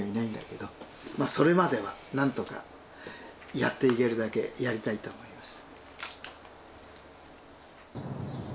それまでは何とかやっていけるだけやりたいと思います。